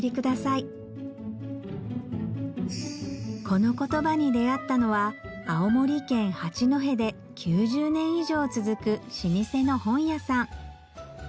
このコトバに出合ったのは青森県八戸で９０年以上続く老舗の本屋さん